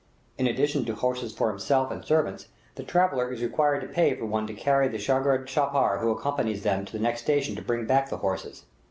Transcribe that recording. In addition to horses for himself and servants, the traveller is required to pay for one to carry the shagird chapar who accompanies them to the next station to bring back the horses.